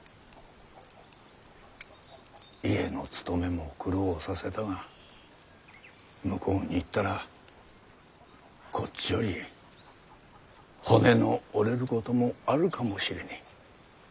家の務めも苦労させたが向こうに行ったらこっちより骨の折れることもあるかもしれねぇ。